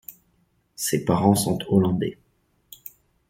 Ses parents sont hollandais.